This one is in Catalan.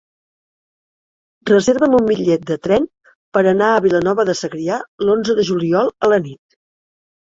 Reserva'm un bitllet de tren per anar a Vilanova de Segrià l'onze de juliol a la nit.